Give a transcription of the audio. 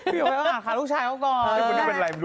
ไปหาลูกชายเขาก่อน